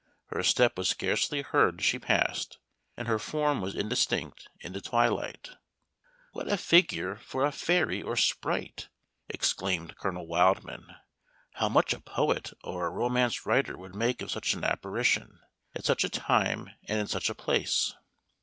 Her step was scarcely heard as she passed, and her form was indistinct in the twilight. "What a figure for a fairy or sprite!" exclaimed Colonel Wildman. "How much a poet or a romance writer would make of such an apparition, at such a time and in such a place!"